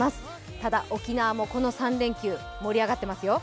ただ、沖縄もこの３連休、盛り上がってますよ。